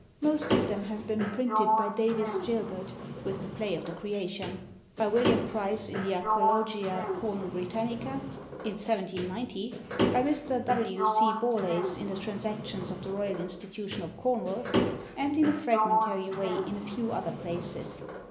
Most of them have been printed by Davies Gilbert (with the play of the 'Creation'), by William Pryce in the 'Archæologia Cornu Britannica' in 1790, by Mr. W. C. Borlase in the Transactions of the Royal Institution of Cornwall, and in a fragmentary way in a few other places.